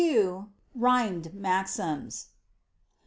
RHYMED MAXIMS.